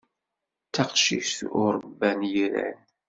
D taqcict ur ṛebban yiran.